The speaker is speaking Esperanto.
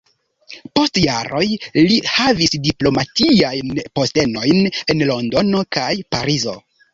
Post jaroj li havis diplomatiajn postenojn en Londono kaj Parizo.